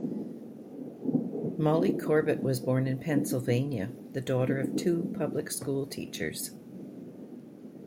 Molly Corbett was born in Pennsylvania, the daughter of two public school teachers.